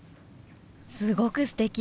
すごくすてき！